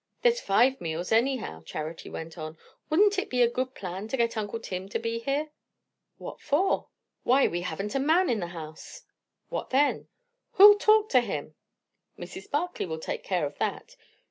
"There's five meals anyhow," Charity went on. "Wouldn't it be a good plan to get uncle Tim to be here?" "What for?" "Why, we haven't a man in the house." "What then?" "Who'll talk to him?" "Mrs. Barclay will take care of that.